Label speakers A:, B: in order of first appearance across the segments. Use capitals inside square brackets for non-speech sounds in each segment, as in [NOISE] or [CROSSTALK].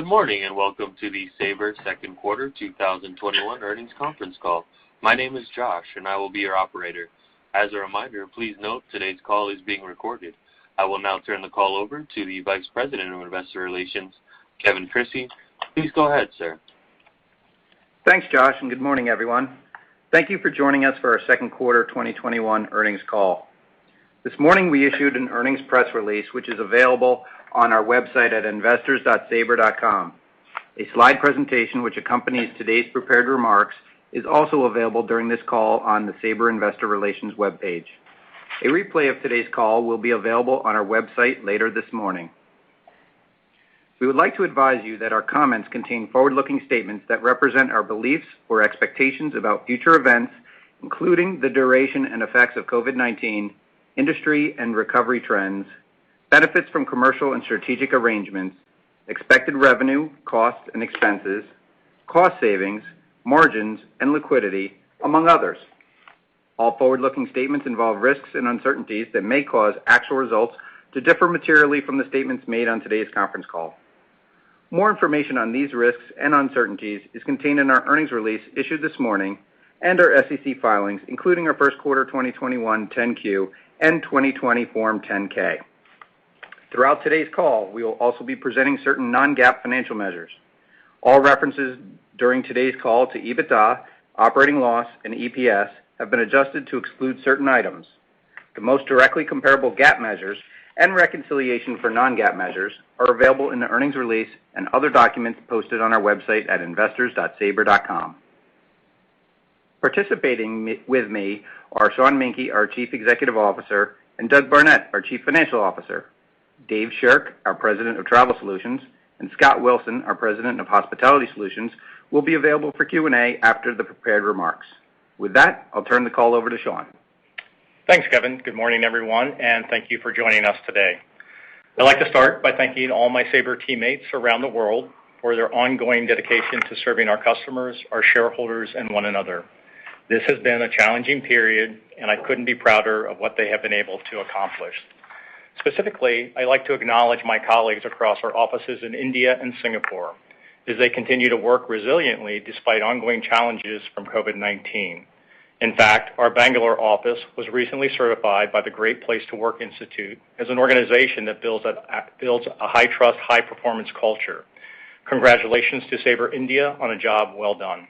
A: Good morning, and welcome to the Sabre Second Quarter 2021 Earnings Conference Call. My name is Josh, and I will be your operator. As a reminder, please note today's call is being recorded. I will now turn the call over to the Vice President of Investor Relations, Kevin Crissey. Please go ahead, sir.
B: Thanks, Josh, and good morning, everyone. Thank you for joining us for our Second Quarter 2021 Earnings Call. This morning, we issued an earnings press release, which is available on our website at investors.sabre.com. A slide presentation which accompanies today's prepared remarks is also available during this call on the Sabre Investor Relations webpage. A replay of today's call will be available on our website later this morning. We would like to advise you that our comments contain forward-looking statements that represent our beliefs or expectations about future events, including the duration and effects of COVID-19, industry and recovery trends, benefits from commercial and strategic arrangements, expected revenue, costs, and expenses, cost savings, margins, and liquidity, among others. All forward-looking statements involve risks and uncertainties that may cause actual results to differ materially from the statements made on today's conference call. More information on these risks and uncertainties is contained in our earnings release issued this morning and our SEC filings, including our first quarter 2021 10-Q and 2020 Form 10-K. Throughout today's call, we will also be presenting certain non-GAAP financial measures. All references during today's call to EBITDA, operating loss, and EPS have been adjusted to exclude certain items. The most directly comparable GAAP measures and reconciliation for non-GAAP measures are available in the earnings release and other documents posted on our website at investors.sabre.com. Participating with me are Sean Menke, our Chief Executive Officer, and Doug Barnett, our Chief Financial Officer. Dave Shirk, our President of Travel Solutions, and Scott Wilson, our President of Hospitality Solutions, will be available for Q&A after the prepared remarks. With that, I'll turn the call over to Sean.
C: Thanks, Kevin. Good morning, everyone, thank you for joining us today. I'd like to start by thanking all my Sabre teammates around the world for their ongoing dedication to serving our customers, our shareholders, and one another. This has been a challenging period, I couldn't be prouder of what they have been able to accomplish. Specifically, I'd like to acknowledge my colleagues across our offices in India and Singapore as they continue to work resiliently despite ongoing challenges from COVID-19. In fact, our Bangalore office was recently certified by the Great Place to Work Institute as an organization that builds a high-trust, high-performance culture. Congratulations to Sabre India on a job well done.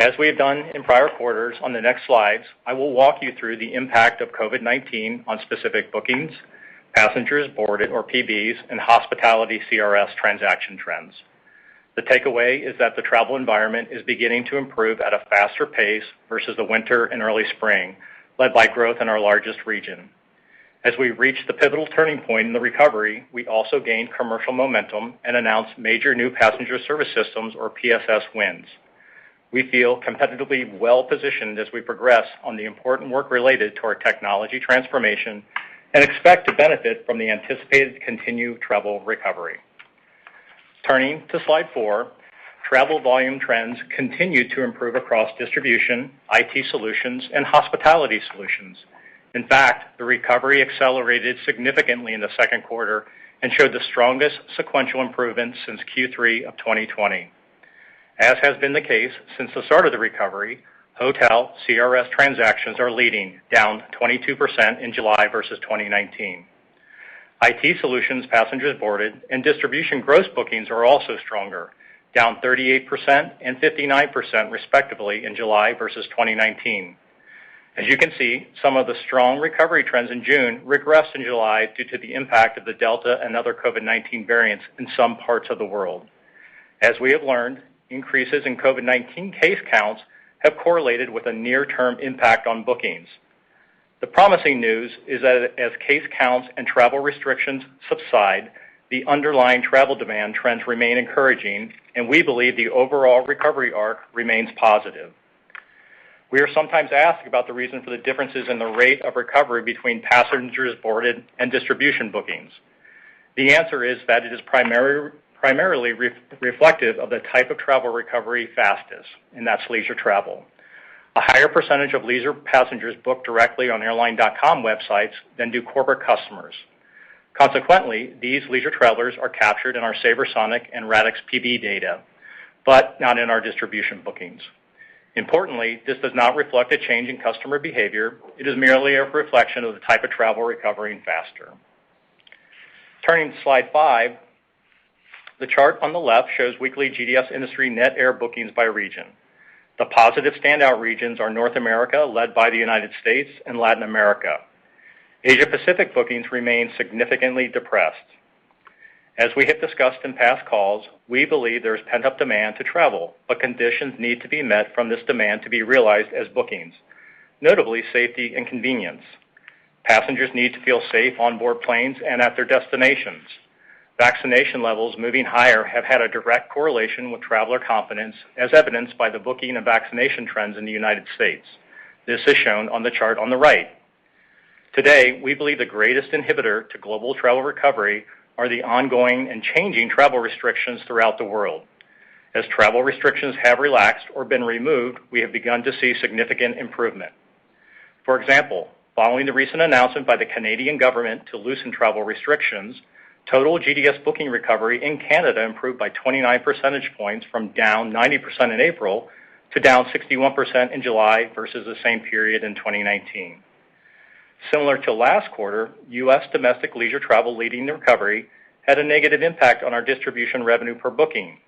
C: As we have done in prior quarters, on the next slides, I will walk you through the impact of COVID-19 on specific bookings, passengers boarded, or PBs, and hospitality CRS transaction trends. The takeaway is that the travel environment is beginning to improve at a faster pace versus the winter and early spring, led by growth in our largest region. As we reach the pivotal turning point in the recovery, we also gained commercial momentum and announced major new passenger service systems or PSS wins. We feel competitively well-positioned as we progress on the important work related to our technology transformation and expect to benefit from the anticipated continued travel recovery. Turning to slide four- travel volume trends continue to improve across distribution, IT solutions, and Hospitality Solutions. In fact, the recovery accelerated significantly in the second quarter and showed the strongest sequential improvement since Q3 of 2020. As has been the case since the start of the recovery, hotel CRS transactions are leading down 22% in July versus 2019. IT Solutions, Passengers Boarded, and Distribution Gross Bookings are also stronger, down 38% and 59%, respectively, in July versus 2019. As you can see, some of the strong recovery trends in June regressed in July due to the impact of the Delta and other COVID-19 variants in some parts of the world. As we have learned, increases in COVID-19 case counts have correlated with a near-term impact on bookings. The promising news is that as case counts and travel restrictions subside, the underlying travel demand trends remain encouraging, and we believe the overall recovery arc remains positive. We are sometimes asked about the reason for the differences in the rate of recovery between Passengers Boarded and Distribution Bookings. The answer is that it is primarily reflective of the type of travel recovery fastest, and that's leisure travel. A higher percentage of leisure passengers book directly on airline.com websites than do corporate customers. These leisure travelers are captured in our SabreSonic and Radixx PB data, but not in our Distribution Bookings. Importantly, this does not reflect a change in customer behavior. It is merely a reflection of the type of travel recovering faster. Turning to slide five, the chart on the left shows weekly GDS industry net air bookings by region. The positive standout regions are North America, led by the United States, and Latin America. Asia Pacific bookings remain significantly depressed. We have discussed in past calls, we believe there's pent-up demand to travel, but conditions need to be met from this demand to be realized as bookings, notably safety and convenience. Passengers need to feel safe onboard planes and at their destinations. Vaccination levels moving higher have had a direct correlation with traveler confidence, as evidenced by the booking and vaccination trends in the U.S. This is shown on the chart on the right. Today, we believe the greatest inhibitor to global travel recovery are the ongoing and changing travel restrictions throughout the world. As travel restrictions have relaxed or been removed, we have begun to see significant improvement. For example, following the recent announcement by the Canadian government to loosen travel restrictions, total GDS booking recovery in Canada improved by 29 percentage points from down 90% in April to down 61% in July versus the same period in 2019. Similar to last quarter, U.S. domestic leisure travel leading the recovery had a negative impact on our distribution revenue per booking.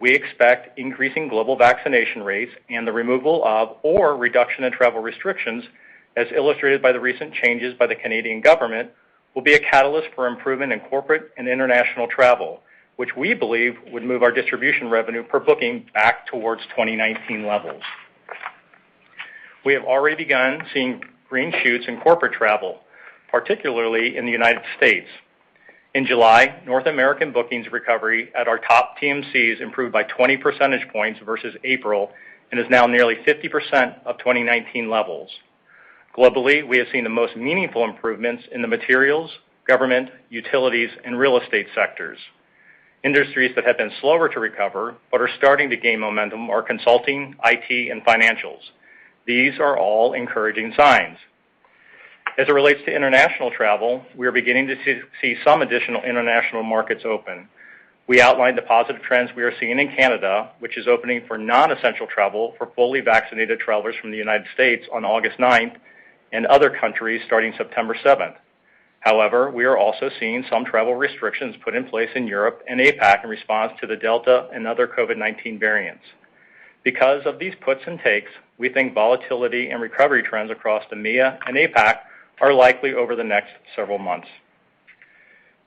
C: We expect increasing global vaccination rates and the removal of or reduction in travel restrictions, as illustrated by the recent changes by the Canadian government, will be a catalyst for improvement in corporate and international travel, which we believe would move our distribution revenue per booking back towards 2019 levels. We have already begun seeing green shoots in corporate travel, particularly in the U.S. In July, North American bookings recovery at our top TMCs improved by 20 percentage points versus April and is now nearly 50% of 2019 levels. Globally, we have seen the most meaningful improvements in the materials, government, utilities, and real estate sectors. Industries that have been slower to recover but are starting to gain momentum are consulting, IT, and financials. These are all encouraging signs. As it relates to international travel, we are beginning to see some additional international markets open. We outlined the positive trends we are seeing in Canada, which is opening for non-essential travel for fully vaccinated travelers from the United States on August 9th and other countries starting September 7th. We are also seeing some travel restrictions put in place in Europe and APAC in response to the Delta and other COVID-19 variants. Because of these puts and takes, we think volatility and recovery trends across EMEA and APAC are likely over the next several months.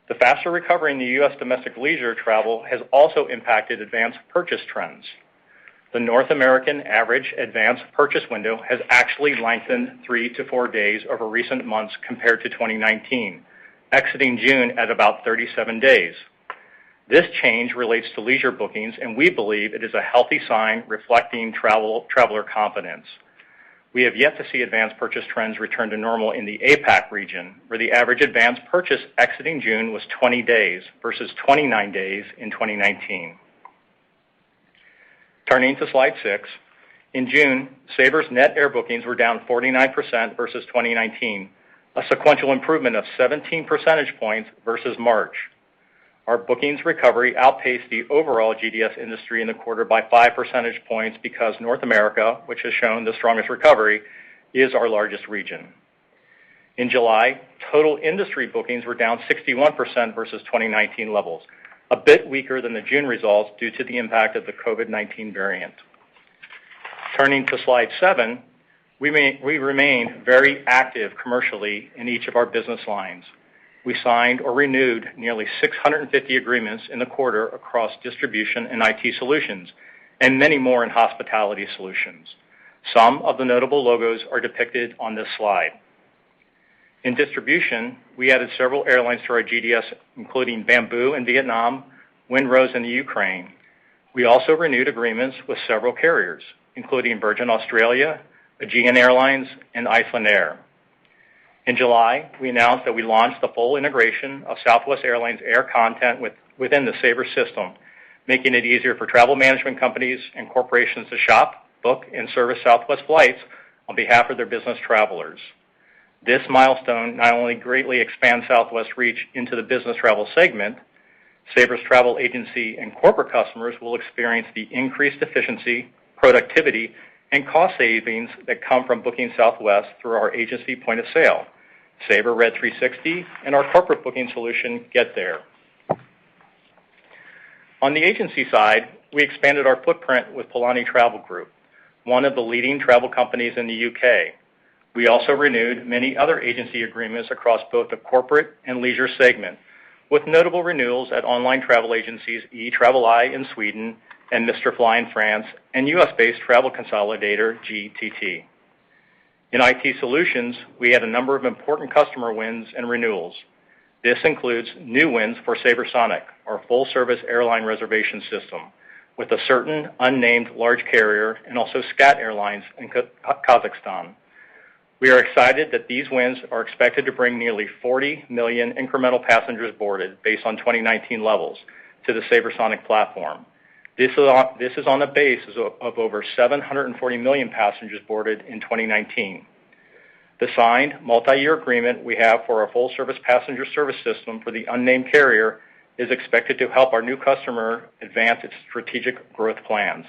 C: The faster recovery in the U.S. domestic leisure travel has also impacted advanced purchase trends. The North American average advanced purchase window has actually lengthened three-four days over recent months compared to 2019, exiting June at about 37 days. This change relates to leisure bookings, and we believe it is a healthy sign reflecting traveler confidence. We have yet to see advanced purchase trends return to normal in the APAC region, where the average advanced purchase exiting June was 20 days versus 29 days in 2019. Turning to slide six. In June, Sabre's net air bookings were down 49% versus 2019, a sequential improvement of 17 percentage points versus March. Our bookings recovery outpaced the overall GDS industry in the quarter by 5 percentage points because North America, which has shown the strongest recovery, is our largest region. In July, total industry bookings were down 61% versus 2019 levels, a bit weaker than the June results due to the impact of the COVID-19 variant. Turning to slide seven, we remain very active commercially in each of our business lines. We signed or renewed nearly 650 agreements in the quarter across Distribution and IT Solutions, and many more in Hospitality Solutions. Some of the notable logos are depicted on this slide. In distribution, we added several airlines to our GDS- including Bamboo in Vietnam, Windrose in Ukraine. We also renewed agreements with several carriers, including Virgin Australia, Aegean Airlines, and Icelandair. In July, we announced that we launched the full integration of Southwest Airlines air content within the Sabre system, making it easier for travel management companies and corporations to shop, book, and service Southwest flights on behalf of their business travelers. This milestone not only greatly expands Southwest's reach into the business travel segment, Sabre's travel agency and corporate customers will experience the increased efficiency, productivity, and cost savings that come from booking Southwest through our agency point of sale, Sabre Red 360, and our corporate booking solution, GetThere. On the agency side, we expanded our footprint with Polani Travel Group, one of the leading travel companies in the U.K. We also renewed many other agency agreements across both the corporate and leisure segment, with notable renewals at online travel agencies- Etraveli in Sweden and MisterFly in France and U.S.-based travel consolidator GTT. In IT solutions, we had a number of important customer wins and renewals. This includes new wins for SabreSonic, our full-service airline reservation system, with a certain unnamed large carrier and also SCAT Airlines in Kazakhstan. We are excited that these wins are expected to bring nearly 40 million incremental passengers boarded based on 2019 levels to the SabreSonic platform. This is on a basis of over 740 million passengers boarded in 2019. The signed multi-year agreement we have for our full-service passenger service system for the unnamed carrier is expected to help our new customer advance its strategic growth plans.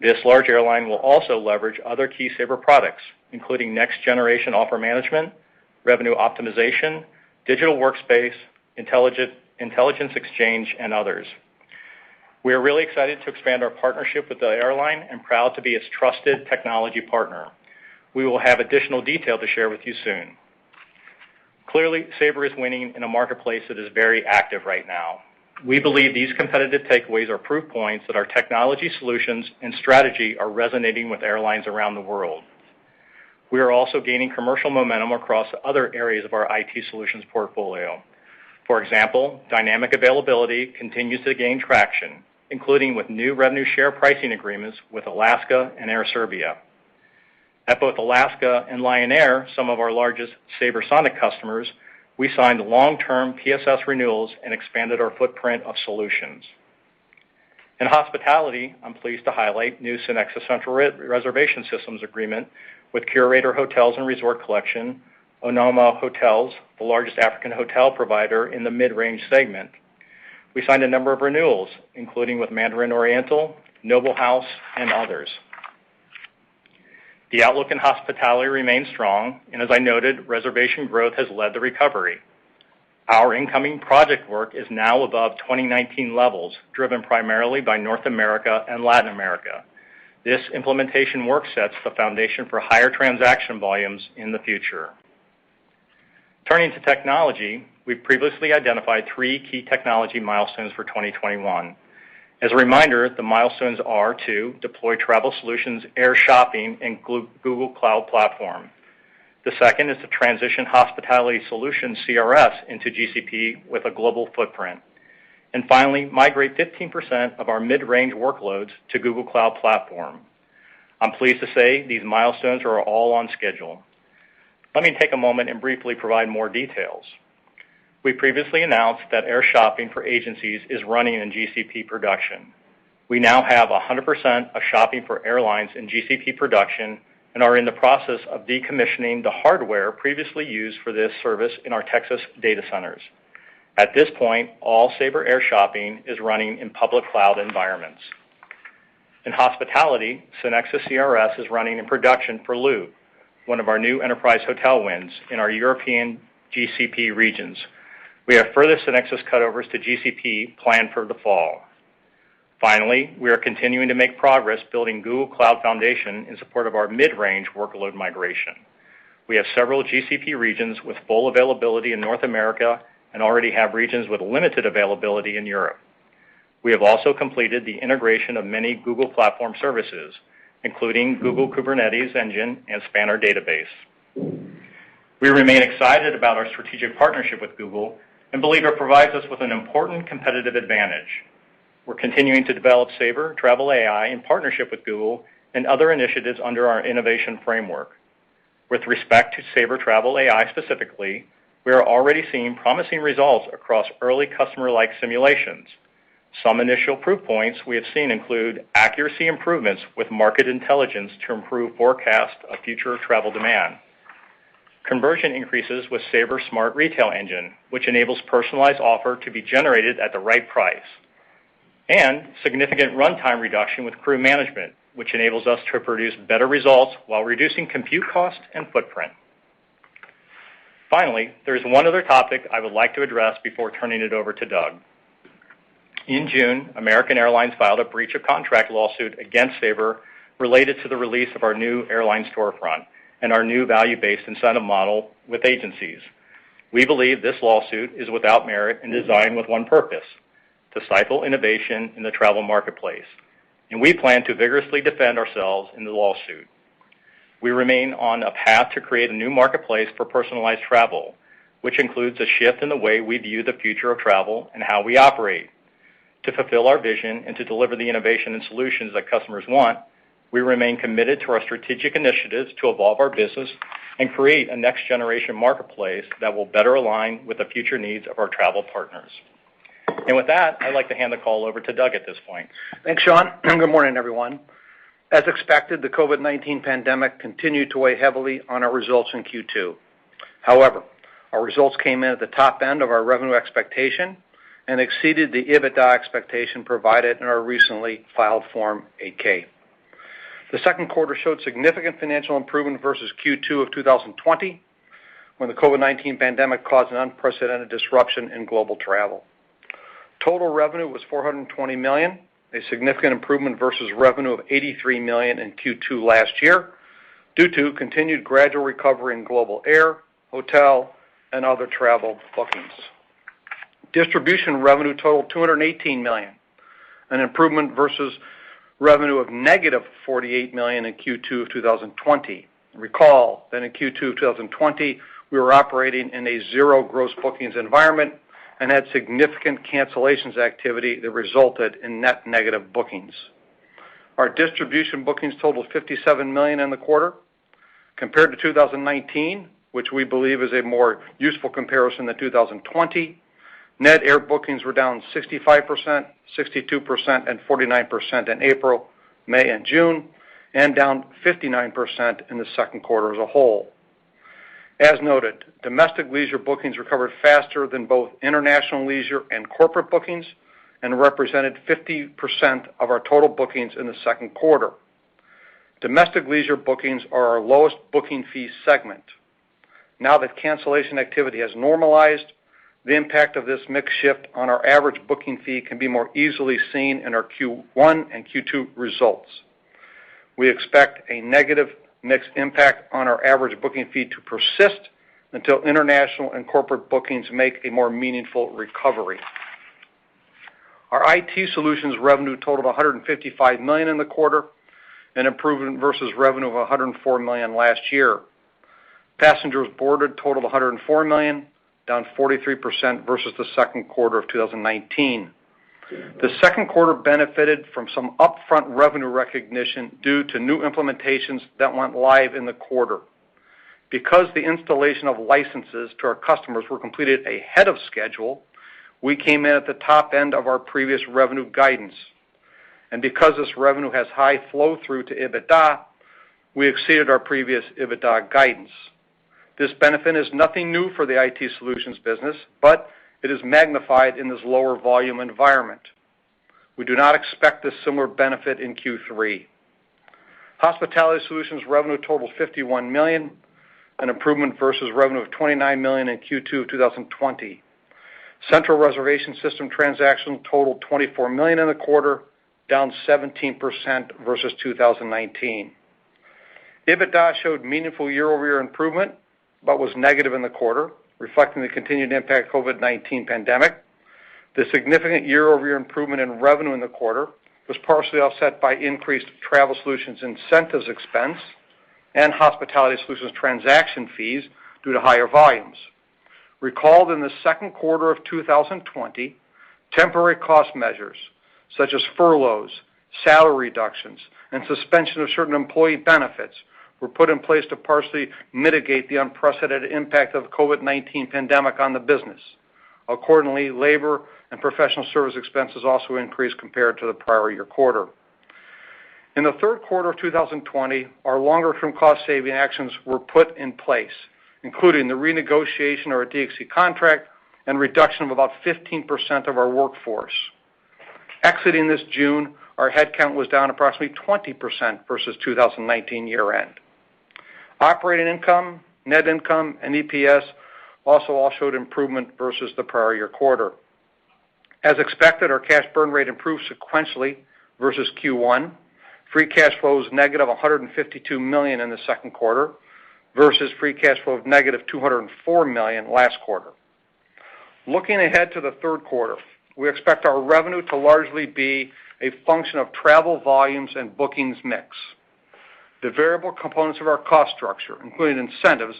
C: This large airline will also leverage other key Sabre products- including next-generation offer management, revenue optimization, digital workspace, intelligence exchange, and others. We are really excited to expand our partnership with the airline and proud to be its trusted technology partner. We will have additional detail to share with you soon. Sabre is winning in a marketplace that is very active right now. We believe these competitive takeaways are proof points that our technology solutions and strategy are resonating with airlines around the world. We are also gaining commercial momentum across other areas of our IT solutions portfolio. For example, Dynamic Availability continues to gain traction, including with new revenue share pricing agreements with Alaska and Air Serbia. At both Alaska Airlines and Lion Air, some of our largest SabreSonic customers, we signed long-term PSS renewals and expanded our footprint of solutions. In hospitality, I'm pleased to highlight new SynXis central reservation systems agreement with Curator Hotel & Resort Collection, Onomo Hotels- the largest African hotel provider in the mid-range segment. We signed a number of renewals, including with Mandarin Oriental, Noble House, and others. The outlook in hospitality remains strong, and as I noted, reservation growth has led the recovery. Our incoming project work is now above 2019 levels, driven primarily by North America and Latin America. This implementation work sets the foundation for higher transaction volumes in the future. Turning to technology, we've previously identified three key technology milestones for 2021. As a reminder, the milestones are to: deploy Travel Solutions air shopping in Google Cloud Platform. The second is to transition Hospitality Solutions CRS into GCP with a global footprint. Finally, migrate 15% of our mid-range workloads to Google Cloud Platform. I'm pleased to say these milestones are all on schedule. Let me take a moment and briefly provide more details. We previously announced that air shopping for agencies is running in GCP production. We now have 100% of shopping for airlines in GCP production and are in the process of decommissioning the hardware previously used for this service in our Texas data centers. At this point, all Sabre air shopping is running in public cloud environments. In hospitality, SynXis CRS is running in production for Louvre, one of our new enterprise hotel wins in our European GCP regions. We have further SynXis cutovers to GCP planned for the fall. Finally, we are continuing to make progress building Google Cloud foundation in support of our mid-range workload migration. We have several GCP regions with full availability in North America and already have regions with limited availability in Europe. We have also completed the integration of many Google Platform services, including Google Kubernetes Engine and Cloud Spanner. We remain excited about our strategic partnership with Google and believe it provides us with an important competitive advantage. We're continuing to develop Sabre Travel AI in partnership with Google and other initiatives under our innovation framework. With respect to Sabre Travel AI specifically, we are already seeing promising results across early customer-like simulations. Some initial proof points we have seen include accuracy improvements with market intelligence to improve forecast of future travel demand, conversion increases with Sabre Smart Retail Engine, which enables personalized offer to be generated at the right price, and significant runtime reduction with crew management, which enables us to produce better results while reducing compute cost and footprint. Finally, there is one other topic I would like to address before turning it over to Doug. In June, American Airlines filed a breach of contract lawsuit against Sabre related to the release of our New Airline Storefront and our new value-based incentive model with agencies. We believe this lawsuit is without merit and designed with one purpose, to stifle innovation in the travel marketplace, and we plan to vigorously defend ourselves in the lawsuit. We remain on a path to create a new marketplace for personalized travel, which includes a shift in the way we view the future of travel and how we operate. To fulfill our vision and to deliver the innovation and solutions that customers want, we remain committed to our strategic initiatives to evolve our business and create a next-generation marketplace that will better align with the future needs of our travel partners. With that, I'd like to hand the call over to Doug at this point.
D: Thanks, Sean. Good morning, everyone. As expected, the COVID-19 pandemic continued to weigh heavily on our results in Q2. However, our results came in at the top end of our revenue expectation and exceeded the EBITDA expectation provided in our recently filed Form 8-K. The second quarter showed significant financial improvement versus Q2 of 2020, when the COVID-19 pandemic caused an unprecedented disruption in global travel. Total revenue was $420 million, a significant improvement versus revenue of $83 million in Q2 last year, due to continued gradual recovery in global air, hotel, and other travel bookings. Distribution revenue totaled $218 million, an improvement versus revenue of -$48 million in Q2 of 2020. Recall that in Q2 2020, we were operating in a zero gross bookings environment and had significant cancellations activity that resulted in net negative bookings. Our distribution bookings totaled $57 million in the quarter. Compared to 2019, which we believe is a more useful comparison than 2020, net air bookings were down 65%, 62%, and 49% in April, May, and June, and down 59% in the second quarter as a whole. As noted, domestic leisure bookings recovered faster than both international leisure and corporate bookings and represented 50% of our total bookings in the second quarter. Domestic leisure bookings are our lowest booking fee segment. Now that cancellation activity has normalized, the impact of this mix shift on our average booking fee can be more easily seen in our Q1 and Q2 results. We expect a negative mix impact on our average booking fee to persist until international and corporate bookings make a more meaningful recovery. Our IT solutions revenue totaled $155 million in the quarter, an improvement versus revenue of $104 million last year. Passengers boarded total of 104 million, down 43% versus the second quarter of 2019. The second quarter benefited from some upfront revenue recognition due to new implementations that went live in the quarter. Because the installation of licenses to our customers were completed ahead of schedule, we came in at the top end of our previous revenue guidance. Because this revenue has high flow through to EBITDA, we exceeded our previous EBITDA guidance. This benefit is nothing new for the IT Solutions business. It is magnified in this lower volume environment. We do not expect this similar benefit in Q3. Hospitality Solutions revenue totaled $51 million, an improvement versus revenue of $29 million in Q2 2020. Central reservation system transactions totaled 24 million in the quarter, down 17% versus 2019. EBITDA showed meaningful year-over-year improvement. It was negative in the quarter, reflecting the continued impact of COVID-19 pandemic. The significant year-over-year improvement in revenue in the quarter was partially offset by increased Travel Solutions incentives expense and Hospitality Solutions transaction fees due to higher volumes. Recalled in the second quarter of 2020, temporary cost measures such as furloughs, salary reductions, and suspension of certain employee benefits were put in place to partially mitigate the unprecedented impact of the COVID-19 pandemic on the business. Accordingly, labor and professional service expenses also increased compared to the prior year quarter. In the third quarter of 2020, our longer-term cost-saving actions were put in place, including the renegotiation of our DXC contract and reduction of about 15% of our workforce. Exiting this June, our headcount was down approximately 20% versus 2019 year-end. Operating income, net income, and EPS also all showed improvement versus the prior year quarter. As expected, our cash burn rate improved sequentially versus Q1. Free cash flow is negative $152 million in the second quarter versus free cash flow of negative $204 million last quarter. Looking ahead to the third quarter, we expect our revenue to largely be a function of travel volumes and bookings mix. The variable components of our cost structure, including incentives,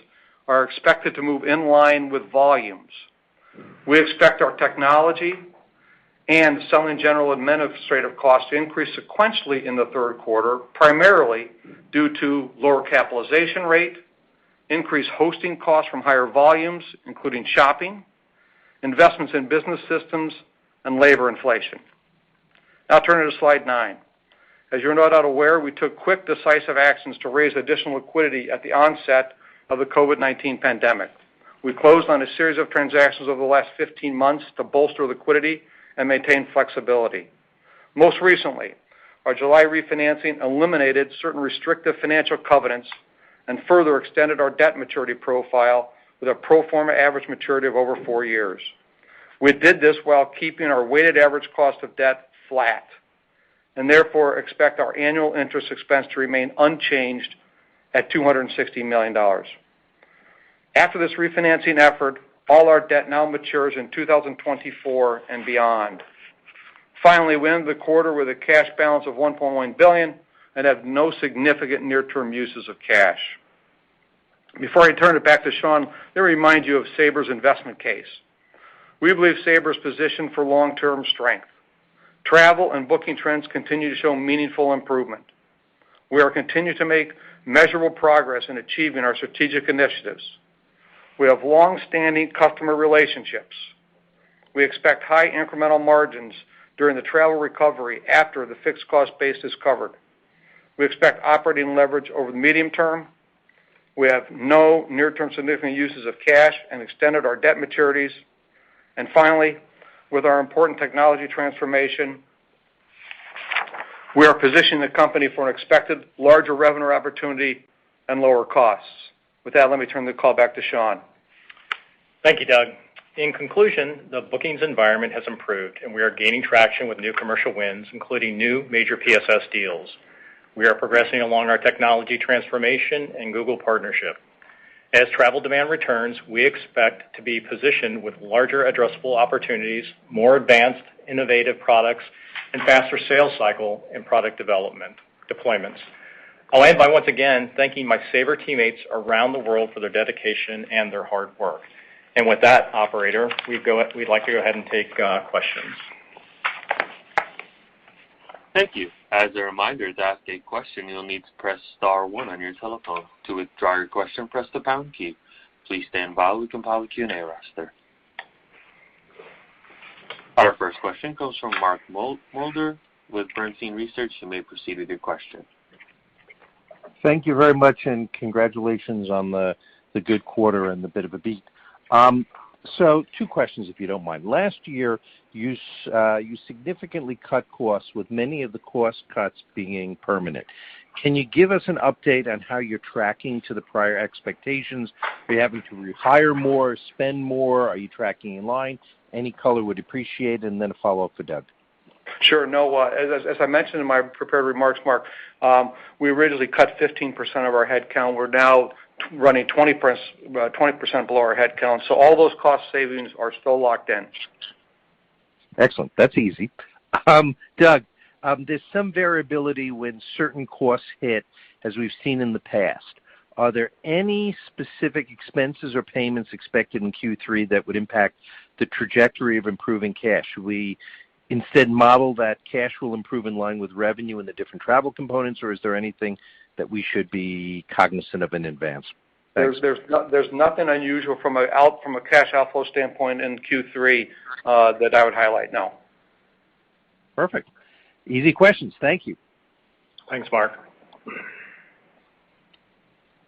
D: are expected to move in line with volumes. We expect our technology and some general administrative costs to increase sequentially in the third quarter, primarily due to lower capitalization rate, increased hosting costs from higher volumes, including shopping, investments in business systems, and labor inflation. Now turning to slide nine. As you're no doubt aware, we took quick, decisive actions to raise additional liquidity at the onset of the COVID-19 pandemic. We closed on a series of transactions over the last 15 months to bolster liquidity and maintain flexibility. Most recently, our July refinancing eliminated certain restrictive financial covenants and further extended our debt maturity profile with a pro forma average maturity of over four years. We did this while keeping our weighted average cost of debt flat, and therefore expect our annual interest expense to remain unchanged at $260 million. After this refinancing effort, all our debt now matures in 2024 and beyond. Finally, we end the quarter with a cash balance of $1.1 billion and have no significant near-term uses of cash. Before I turn it back to Sean, let me remind you of Sabre's investment case. We believe Sabre is positioned for long-term strength. Travel and booking trends continue to show meaningful improvement. We are continuing to make measurable progress in achieving our strategic initiatives. We have long-standing customer relationships. We expect high incremental margins during the travel recovery after the fixed cost base is covered. We expect operating leverage over the medium term. We have no near-term significant uses of cash and extended our debt maturities. Finally, with our important technology transformation, we are positioning the company for an expected larger revenue opportunity and lower costs. With that, let me turn the call back to Sean.
C: Thank you, Doug. In conclusion, the bookings environment has improved, and we are gaining traction with new commercial wins, including new major PSS deals. We are progressing along our technology transformation and Google partnership. As travel demand returns, we expect to be positioned with larger addressable opportunities, more advanced innovative products, and faster sales cycle and product development- deployments. I'll end by once again thanking my Sabre teammates around the world for their dedication and their hard work. With that operator, we'd like to go ahead and take questions.
A: Thank you. As a reminder, to ask a question, you will need to pres star one on your telephone. To withdraw your question, press the pound key. Please standby while we compile the Q&A roster. Our first question comes from Mark Moerdler with Bernstein Research. You may proceed with your question.
E: Thank you very much. Congratulations on the good quarter and the bit of a beat. Two questions, if you don't mind. Last year, you significantly cut costs with many of the cost cuts being permanent. Can you give us an update on how you're tracking to the prior expectations? Are you having to rehire more, spend more? Are you tracking in line? Any color would be appreciated. A follow-up for Doug.
C: Sure. No, as I mentioned in my prepared remarks, Mark, we originally cut 15% of our headcount. We're now running 20% below our headcount. All those cost savings are still locked in.
E: Excellent. That's easy. Doug, there's some variability when certain costs hit, as we've seen in the past. Are there any specific expenses or payments expected in Q3 that would impact the trajectory of improving cash? Should we instead model that cash will improve in line with revenue in the different travel components, or is there anything that we should be cognizant of in advance?
D: There's nothing unusual from a cash outflow standpoint in Q3 that I would highlight, no.
E: Perfect. Easy questions. Thank you.
C: Thanks, Mark.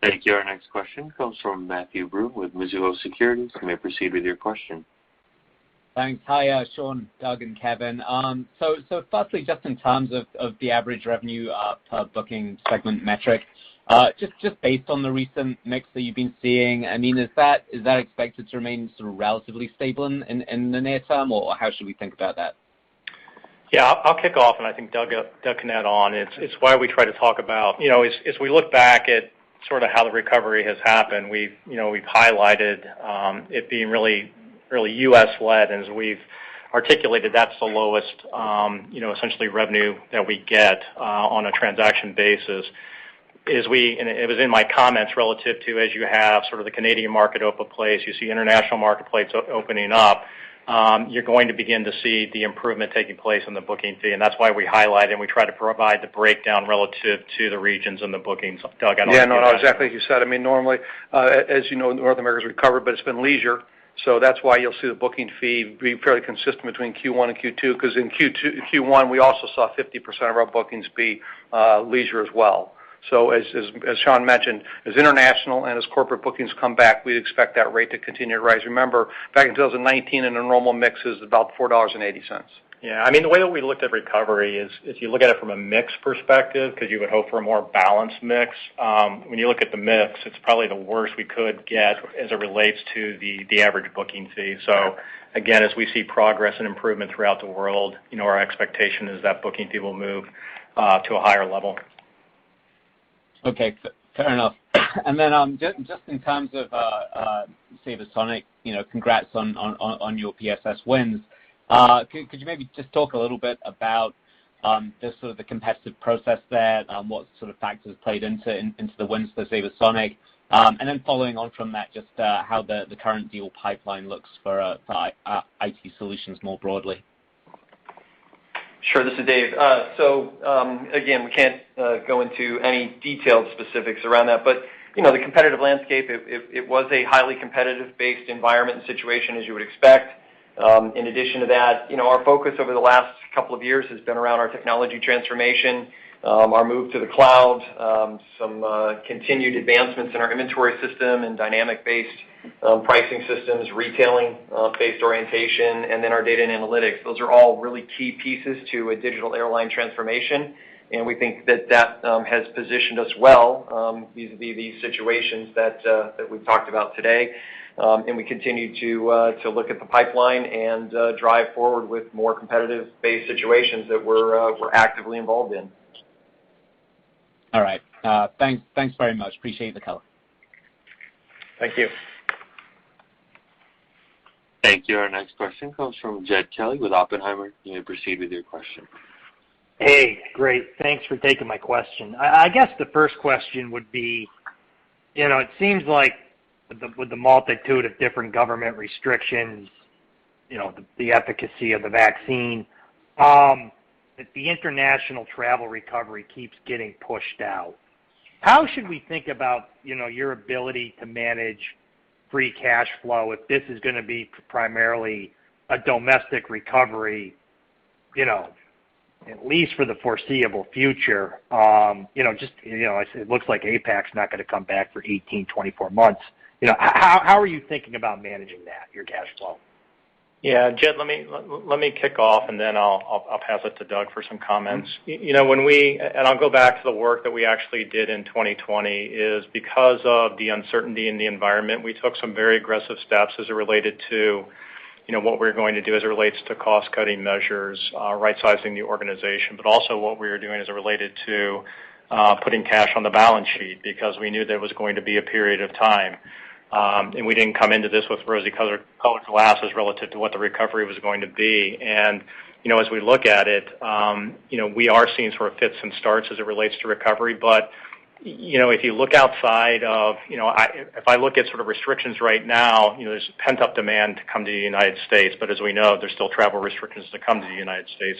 A: Thank you. Our next question comes from Matthew Broome with Mizuho Securities. You may proceed with your question.
F: Thanks. Hi, Sean, Doug, and Kevin. Firstly, just in terms of the average revenue per booking segment metric, just based on the recent mix that you've been seeing, is that expected to remain sort of relatively stable in the near term, or how should we think about that?
C: Yeah, I'll kick off, and I think Doug can add on. It's why we try to talk about as we look back at sort of how the recovery has happened, we've highlighted it being really U.S.-led, and as we've articulated, that's the lowest essentially revenue that we get on a transaction basis. It was in my comments relative to as you have sort of the Canadian market open place, you see international marketplace opening up, you're going to begin to see the improvement taking place in the booking fee, and that's why we highlight and we try to provide the breakdown relative to the regions and the bookings. Doug, I... [CROSSTALK]
D: Yeah, no, exactly as you said. Normally, as you know, North America's recovered, but it's been leisure. That's why you'll see the booking fee be fairly consistent between Q1 and Q2, because in Q1, we also saw 50% of our bookings be leisure as well. As Sean mentioned, as international and as corporate bookings come back, we'd expect that rate to continue to rise. Remember, back in 2019, a normal mix is about $4.80.
C: Yeah. The way that we looked at recovery is you look at it from a mix perspective because you would hope for a more balanced mix. When you look at the mix, it's probably the worst we could get as it relates to the average booking fee. Again, as we see progress and improvement throughout the world, our expectation is that booking fee will move to a higher level.
F: Okay. Fair enough. Just in terms of SabreSonic, congrats on your PSS wins. Could you maybe just talk a little bit about just sort of the competitive process there, what sort of factors played into the wins for SabreSonic? Following on from that, just how the current deal pipeline looks for IT solutions more broadly.
G: Sure. This is Dave. Again, we can't go into any detailed specifics around that, but the competitive landscape, it was a highly competitive-based environment and situation as you would expect. In addition to that, our focus over the last couple of years has been around our technology transformation- our move to the cloud, some continued advancements in our inventory system and dynamic-based pricing systems, retailing-based orientation, and then our data and analytics. Those are all really key pieces to a digital airline transformation, and we think that that has positioned us well vis-a-vis these situations that we've talked about today. We continue to look at the pipeline and drive forward with more competitive-based situations that we're actively involved in.
F: All right. Thanks very much. Appreciate the color.
C: Thank you.
A: Thank you. Our next question comes from Jed Kelly with Oppenheimer. You may proceed with your question.
H: Hey, great. Thanks for taking my question. I guess the first question would be, it seems like with the multitude of different government restrictions, the efficacy of the vaccine, that the international travel recovery keeps getting pushed out. How should we think about your ability to manage free cash flow if this is going to be primarily a domestic recovery at least for the foreseeable future? It looks like APAC is not going to come back for 18, 24 months. How are you thinking about managing that, your cash flow?
C: Yeah. Jed, let me kick off. Then I'll pass it to Doug for some comments. I'll go back to the work that we actually did in 2020, is because of the uncertainty in the environment, we took some very aggressive steps as it related to what we were going to do as it relates to cost-cutting measures, rightsizing the organization. Also what we were doing as it related to putting cash on the balance sheet because we knew there was going to be a period of time, and we didn't come into this with rosy-colored glasses relative to what the recovery was going to be. As we look at it, we are seeing sort of fits and starts as it relates to recovery. If I look at sort of restrictions right now, there's pent-up demand to come to the U.S., as we know, there's still travel restrictions to come to the U.S.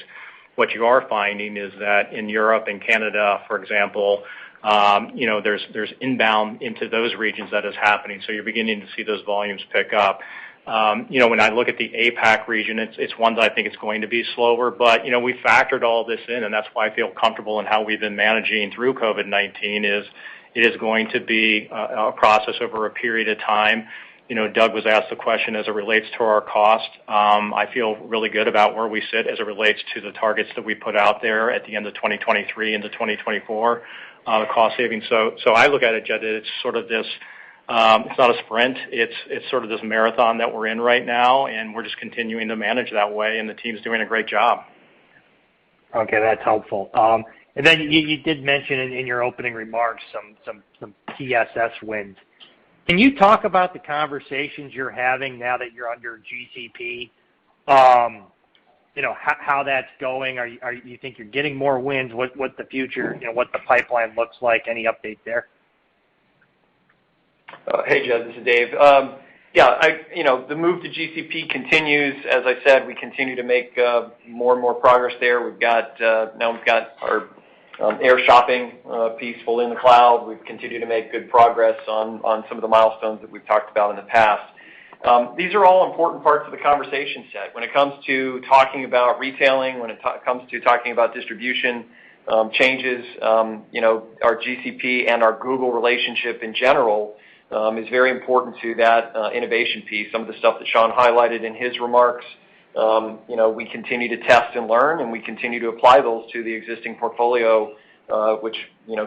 C: What you are finding is that in Europe and Canada, for example, there's inbound into those regions that is happening, you're beginning to see those volumes pick up. When I look at the APAC region, it's one that I think is going to be slower. But we factored all this in, that's why I feel comfortable in how we've been managing through COVID-19 is it is going to be a process over a period of time. Doug was asked the question as it relates to our cost. I feel really good about where we sit as it relates to the targets that we put out there at the end of 2023 into 2024, the cost savings. I look at it, Jed, it's not a sprint, it's sort of this marathon that we're in right now, and we're just continuing to manage that way, and the team is doing a great job.
H: Okay, that's helpful. You did mention in your opening remarks some PSS wins. Can you talk about the conversations you're having now that you're under GCP? How that's going? You think you're getting more wins? What the pipeline looks like? Any update there?
G: Hey, Jed, this is Dave. Yeah. The move to GCP continues. As I said, we continue to make more and more progress there. Now we've got our air shopping piece, fully in the cloud. We've continued to make good progress on some of the milestones that we've talked about in the past. These are all important parts of the conversation set when it comes to talking about retailing, when it comes to talking about distribution changes. Our GCP and our Google relationship in general is very important to that innovation piece. Some of the stuff that Sean highlighted in his remarks. We continue to test and learn, and we continue to apply those to the existing portfolio, which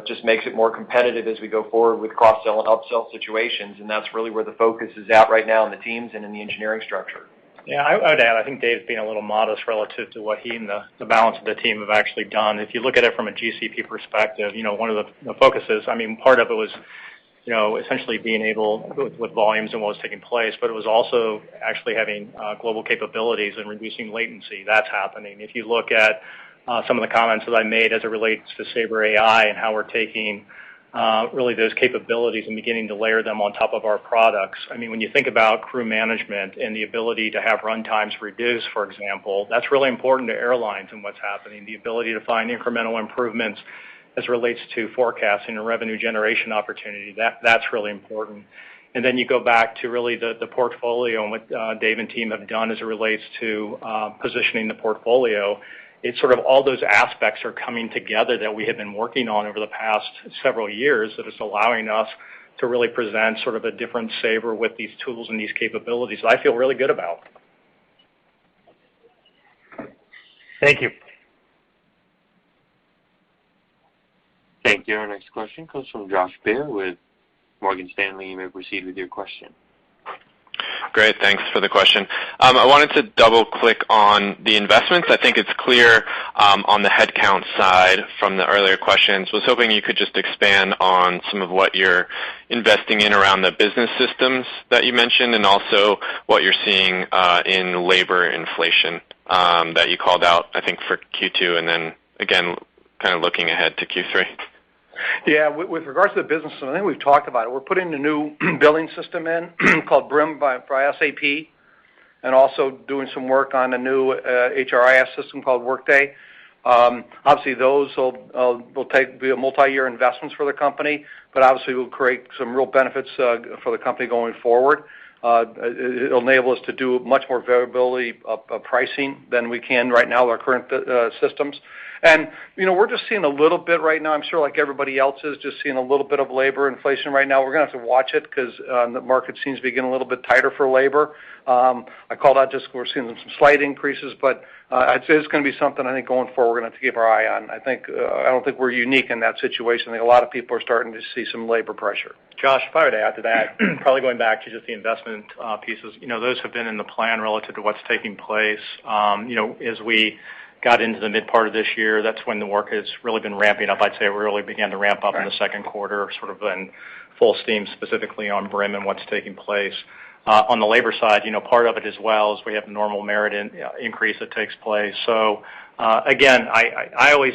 G: just makes it more competitive as we go forward with cross-sell and upsell situations, and that's really where the focus is at right now in the teams and in the engineering structure.
C: I would add, I think Dave's being a little modest relative to what he and the balance of the team have actually done. If you look at it from a GCP perspective, one of the focuses, part of it was essentially being able, with volumes and what was taking place, but it was also actually having global capabilities and reducing latency. That's happening. If you look at some of the comments that I made as it relates to Sabre AI and how we're taking really those capabilities and beginning to layer them on top of our products. When you think about crew management and the ability to have run times reduced, for example, that's really important to airlines and what's happening. The ability to find incremental improvements as it relates to forecasting and revenue generation opportunity, that's really important. You go back to really the portfolio and what Dave and team have done as it relates to positioning the portfolio. It's sort of all those aspects are coming together that we have been working on over the past several years that is allowing us to really present sort of a different Sabre with these tools and these capabilities that I feel really good about.
H: Thank you.
A: Thank you. Our next question comes from Josh Baer with Morgan Stanley. You may proceed with your question.
I: Great. Thanks for the question. I wanted to double-click on the investments. I think it's clear on the headcount side from the earlier questions. Was hoping you could just expand on some of what you're investing in around the business systems that you mentioned, and also what you're seeing in labor inflation that you called out, I think, for Q2, and then again, kind of looking ahead to Q3.
D: Yeah. With regards to the business system, I think we've talked about it. We're putting the new billing system in called BRIM by SAP, and also doing some work on a new HRIS system called Workday. Obviously, those will be a multi-year investments for the company, but obviously will create some real benefits for the company going forward. It'll enable us to do much more variability of pricing than we can right now with our current systems. We're just seeing a little bit right now, I'm sure like everybody else is just seeing a little bit of labor inflation right now- we're going to have to watch it because the market seems to be getting a little bit tighter for labor. I called out just because we're seeing some slight increases, but I'd say it's going to be something, I think, going forward we're going to have to keep our eye on. I don't think we're unique in that situation. I think a lot of people are starting to see some labor pressure.
C: Josh, if I were to add to that, probably going back to just the investment pieces. Those have been in the plan relative to what's taking place. As we got into the mid part of this year, that's when the work has really been ramping up. I'd say it really began to ramp up in the second quarter, sort of been full steam, specifically on BRIM and what's taking place. On the labor side, part of it as well is we have a normal merit increase that takes place. Again, I always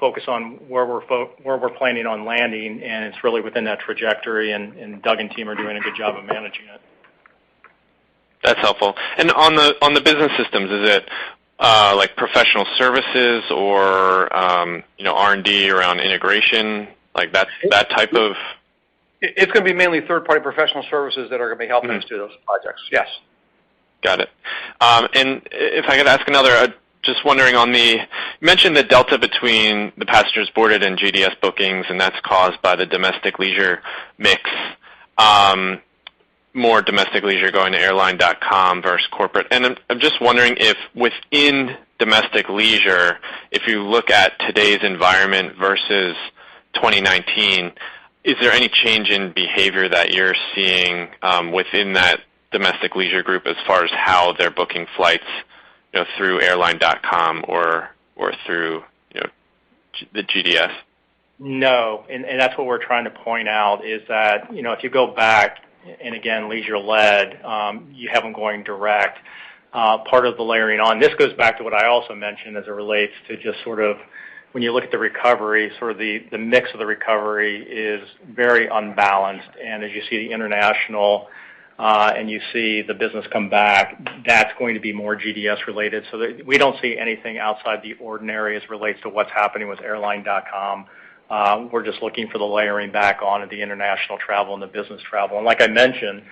C: focus on where we're planning on landing, and it's really within that trajectory and Doug and team are doing a good job of managing it.
I: That's helpful. On the business systems, is it like professional services or R&D around integration? Like that type of...
D: It's going to be mainly third-party professional services that are going to be helping us do those projects. Yes.
I: Got it. If I could ask another, just wondering. You mentioned the delta between the passengers boarded and GDS bookings, and that is caused by the domestic leisure mix. More domestic leisure going to airline.com versus corporate. I am just wondering if within domestic leisure, if you look at today's environment versus 2019, is there any change in behavior that you are seeing within that domestic leisure group as far as how they are booking flights through airline.com or through the GDS?
C: That's what we're trying to point out is that, if you go back and again, leisure-led, you have them going direct. Part of the layering on, this goes back to what I also mentioned as it relates to just when you look at the recovery, the mix of the recovery is very unbalanced. As you see the international and you see the business come back, that's going to be more GDS-related. We don't see anything outside the ordinary as it relates to what's happening with airline.com. We're just looking for the layering back on of the international travel and the business travel. Like I mentioned,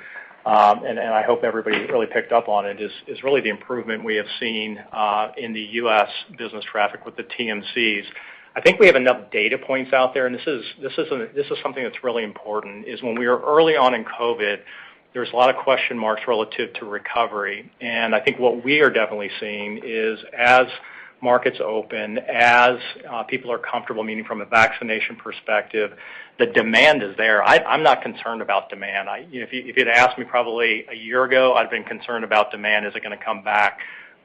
C: and I hope everybody really picked up on it, is really the improvement we have seen in the U.S. business traffic with the TMCs. I think we have enough data points out there, and this is something that's really important, is when we were early on in COVID, there was a lot of question marks relative to recovery. I think what we are definitely seeing is as markets open, as people are comfortable, meaning from a vaccination perspective, the demand is there. I'm not concerned about demand. If you'd asked me probably a year ago, I'd have been concerned about demand. Is it going to come back?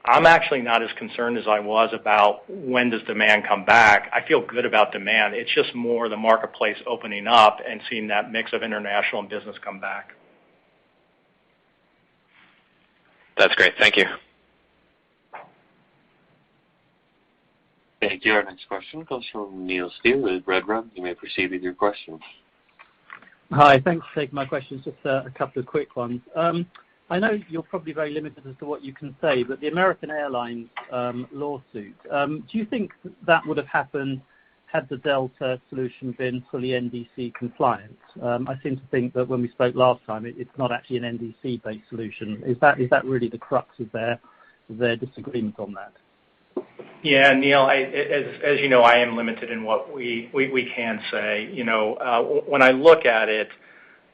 C: I'm actually not as concerned as I was about when does demand come back. I feel good about demand. It's just more the marketplace opening up and seeing that mix of international and business come back.
I: That's great. Thank you.
A: Thank you. Our next question comes from Neil Steer with Redburn. You may proceed with your question.
J: Hi. Thanks for taking my question. Just a couple of quick ones. I know you're probably very limited as to what you can say. The American Airlines lawsuit, do you think that would've happened had the Delta solution been fully NDC compliant? I seem to think that when we spoke last time, it's not actually an NDC-based solution. Is that really the crux of their disagreement on that?
C: Yeah, Neil, as you know, I am limited in what we can say. When I look at it,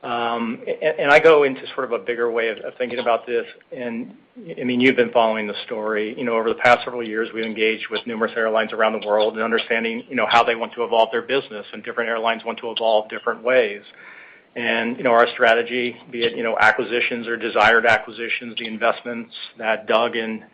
C: I go into sort of a bigger way of thinking about this, you've been following the story. Over the past several years, we've engaged with numerous airlines around the world in understanding how they want to evolve their business, different airlines want to evolve different ways. Our strategy, be it acquisitions or desired acquisitions, the investments that Doug and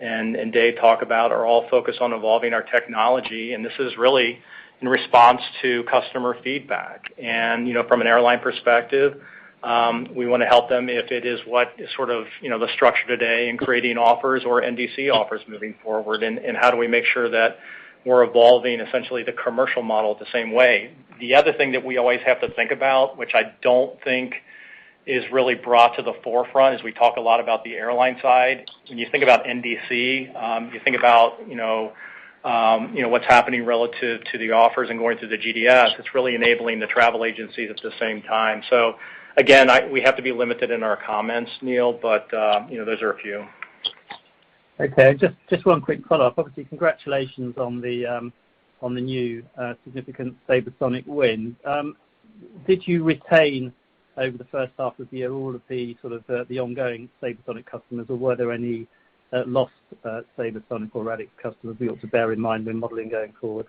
C: Dave talk about are all focused on evolving our technology, this is really in response to customer feedback. From an airline perspective, we want to help them if it is what is sort of the structure today in creating offers or NDC offers moving forward, how do we make sure that we're evolving essentially the commercial model the same way. The other thing that we always have to think about, which I don't think is really brought to the forefront, as we talk a lot about the airline side. When you think about NDC, you think about what's happening relative to the offers and going through the GDS. It's really enabling the travel agencies at the same time. Again, we have to be limited in our comments, Neil, but those are a few.
J: Okay. Just one quick follow-up. Congratulations on the new significant SabreSonic win. Did you retain- over the first half of the year- all of the ongoing SabreSonic customers, or were there any lost SabreSonic or Radixx customers we ought to bear in mind when modeling going forward?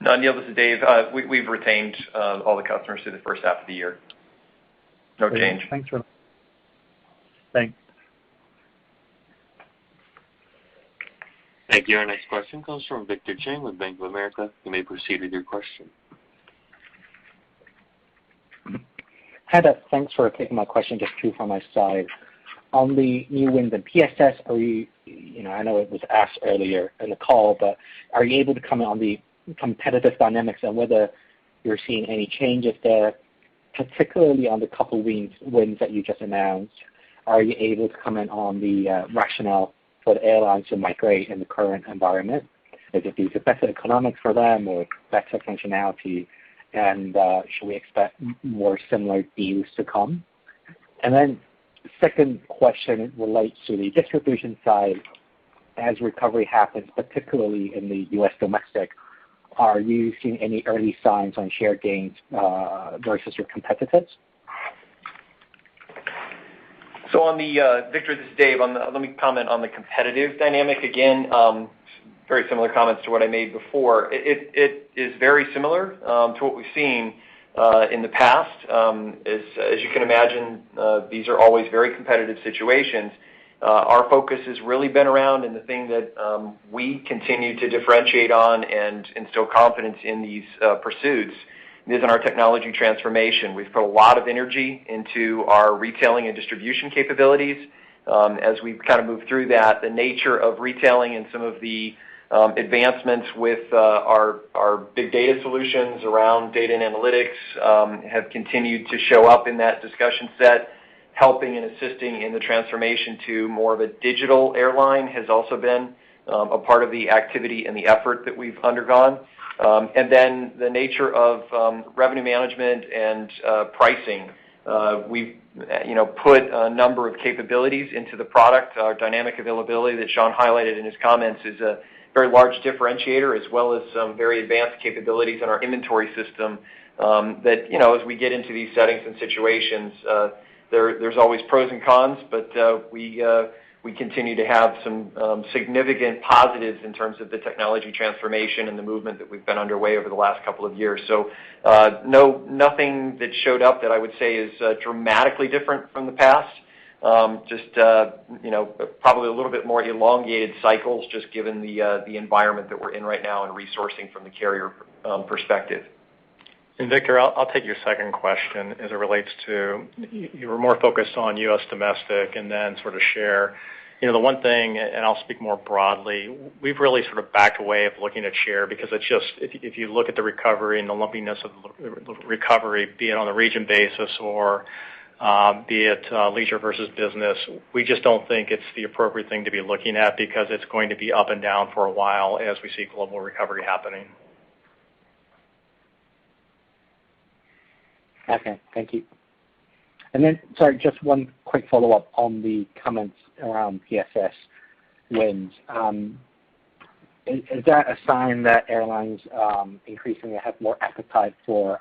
G: No, Neil, this is Dave. We've retained all the customers through the first half of the year. No change.
J: Thanks very much. Thanks.
A: Thank you. Our next question comes from Victor Cheng with Bank of America. You may proceed with your question.
K: Hi there. Thanks for taking my question. Just two from my side. On the new win, the PSS- I know it was asked earlier in the call, but are you able to comment on the competitive dynamics and whether you're seeing any changes there, particularly on the couple wins that you just announced? Are you able to comment on the rationale for the airlines to migrate in the current environment? Is it the best economics for them or best functionality, and should we expect more similar deals to come? Second question relates to the distribution side. As recovery happens, particularly in the U.S. domestic, are you seeing any early signs on share gains versus your competitors?
G: Victor, this is Dave. Let me comment on the competitive dynamic. Again, very similar comments to what I made before. It is very similar to what we've seen in the past. As you can imagine, these are always very competitive situations. Our focus has really been around, and the thing that we continue to differentiate on and instill confidence in these pursuits is in our technology transformation. We've put a lot of energy into our retailing and distribution capabilities. As we've kind of moved through that, the nature of retailing and some of the advancements with our big data solutions around data and analytics have continued to show up in that discussion set. Helping and assisting in the transformation to more of a digital airline has also been a part of the activity and the effort that we've undergone. The nature of revenue management and pricing. We've put a number of capabilities into the product. Our dynamic availability that Sean highlighted in his comments is a very large differentiator, as well as some very advanced capabilities in our inventory system that, as we get into these settings and situations, there's always pros and cons, but we continue to have some significant positives in terms of the technology transformation and the movement that we've been underway over the last couple of years. Nothing that showed up that I would say is dramatically different from the past. Just probably a little bit more elongated cycles, just given the environment that we're in right now and resourcing from the carrier perspective.
C: Victor, I'll take your second question as it relates to- you were more focused on U.S. domestic and then sort of share. The one thing, I'll speak more broadly, we've really sort of backed away of looking at share because if you look at the recovery and the lumpiness of the recovery- be it on a region basis or be it leisure versus business, we just don't think it's the appropriate thing to be looking at because it's going to be up and down for a while as we see global recovery happening.
K: Okay. Thank you. And then, sorry, just one quick follow-up on the comments around PSS wins. Is that a sign that airlines increasingly have more appetite for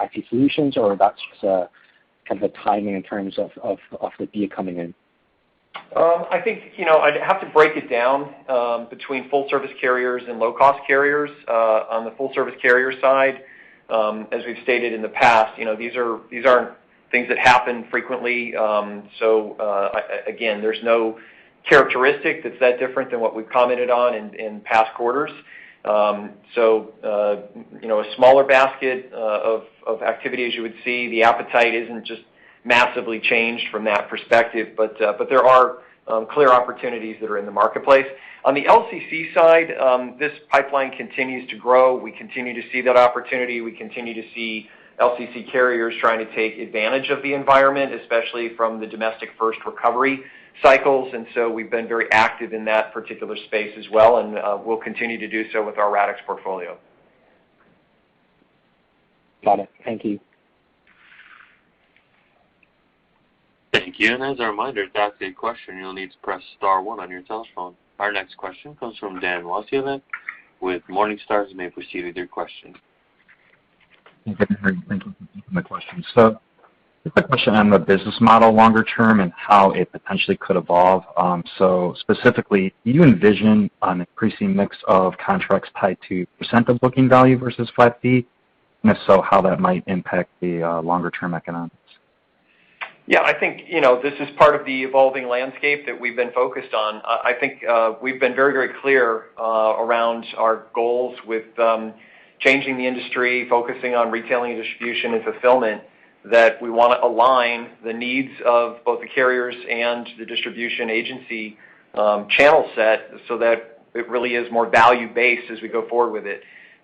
K: IT solutions, or that's just kind of the timing in terms of the deal coming in?
G: I'd have to break it down between full service carriers and low-cost carriers. On the full service carrier side, as we've stated in the past, these aren't things that happen frequently. Again, there's no characteristic that's that different than what we've commented on in past quarters. A smaller basket of activity, as you would see. The appetite isn't just massively changed from that perspective, but there are clear opportunities that are in the marketplace. On the LCC side, this pipeline continues to grow. We continue to see that opportunity. We continue to see LCC carriers trying to take advantage of the environment, especially from the domestic first recovery cycles. We've been very active in that particular space as well, and we'll continue to do so with our Radixx portfolio.
K: Got it. Thank you.
A: Thank you. As a reminder, to ask a question, you'll need to press star one on your telephone. Our next question comes from Dan Wasiolek with Morningstar. You may proceed with your question.
L: Thank you for the question. Just a question on the business model longer term and how it potentially could evolve. Specifically, do you envision an increasing mix of contracts tied to % of booking value versus flat fee? If so, how that might impact the longer-term economics?
G: Yeah, I think, this is part of the evolving landscape that we've been focused on. I think, we've been very clear around our goals with changing the industry, focusing on retailing, distribution, and fulfillment, that we want to align the needs of both the carriers and the distribution agency channel set so that it really is more value-based as we go forward with it.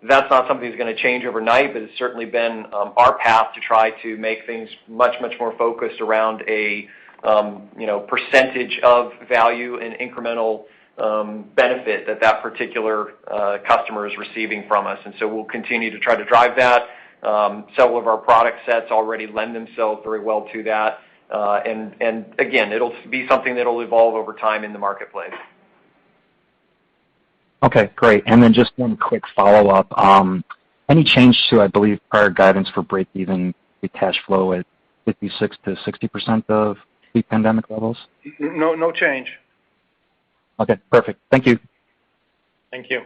G: That's not something that's going to change overnight, but it's certainly been our path to try to make things much more focused around a percentage of value and incremental benefit that that particular customer is receiving from us. We'll continue to try to drive that. Several of our product sets already lend themselves very well to that. It'll be something that'll evolve over time in the marketplace.
L: Okay, great. Just one quick follow-up. Any change to, I believe, prior guidance for break-even free cash flow at 56%-60% of pre-pandemic levels?
C: No change.
L: Okay, perfect. Thank you.
C: Thank you.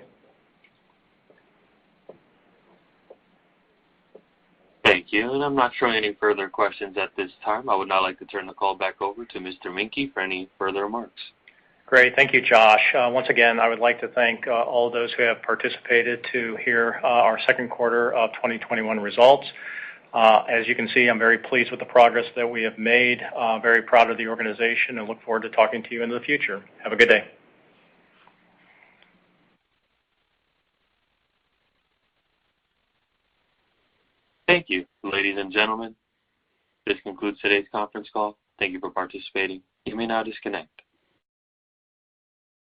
A: Thank you. I'm not showing any further questions at this time. I would now like to turn the call back over to Mr. Menke for any further remarks.
C: Great. Thank you, Josh. Once again, I would like to thank all those who have participated to hear our second quarter of 2021 results. As you can see, I am very pleased with the progress that we have made, very proud of the organization, and look forward to talking to you in the future. Have a good day.
A: Thank you, ladies and gentlemen. This concludes today's conference call. Thank you for participating. You may now disconnect.